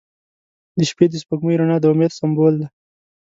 • د شپې د سپوږمۍ رڼا د امید سمبول دی.